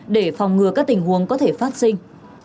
để phòng ngừa các tình huống có thể phát sinh